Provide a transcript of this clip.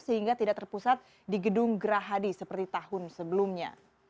sehingga tidak terpusat di gedung gerahadi seperti tahun sebelumnya